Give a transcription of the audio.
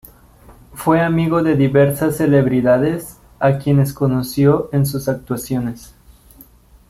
Fue amigo de diversas celebridades, a quienes conoció en sus actuaciones.